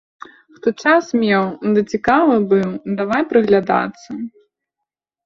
Хто час меў ды цікавы быў, давай прыглядацца.